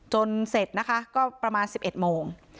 จนเสร็จก็ประมาณ๑๑โมง